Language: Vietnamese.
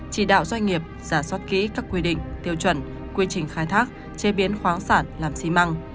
chỉ đạo doanh nghiệp giả soát kỹ các quy định tiêu chuẩn quy trình khai thác chế biến khoáng sản làm xi măng